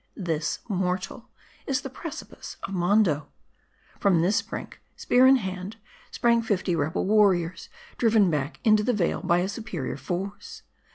This, mortal ! is the precipice of Mondo. From this brink, spear in hand, sprang fifty rebel war riors, driven back into the vale by a superior force.